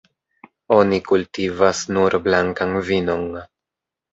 Oni kultivas nur blankan vinon.